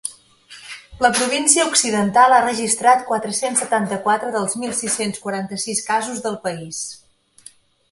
La província occidental ha registrat quatre-cents setanta-quatre dels mil sis-cents quaranta-sis casos del país.